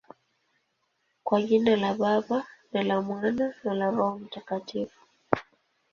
Kwa jina la Baba, na la Mwana, na la Roho Mtakatifu.